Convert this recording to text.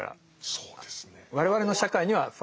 そうですね。